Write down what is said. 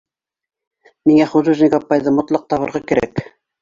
Миңә художник апайҙы мотлаҡ табырға кәрәк.